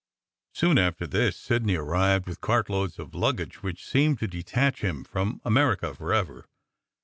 Soon after this, Sidney arrived with cartloads of luggage, which seemed to detach him from America forever.